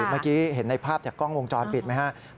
เมื่อกี้เห็นในภาพจากกล้องวงจรปิดไหมครับ